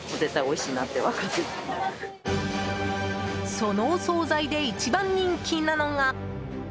そのお総菜で一番人気なのが。